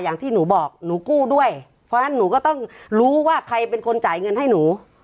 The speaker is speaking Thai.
อย่างที่หนูบอกหนูกู้ด้วยเพราะฉะนั้นหนูก็ต้องรู้ว่าใครเป็นคนจ่ายเงินให้หนู